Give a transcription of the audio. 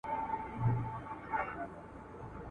یو بل ته خیر ورسوئ.